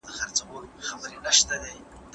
پاروونکې خبرې د لور او زوم ژوند تنګوي.